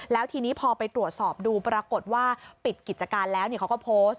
แล้วทีนี้พอไปตรวจสอบดูปรากฏว่าปิดกิจการแล้วเขาก็โพสต์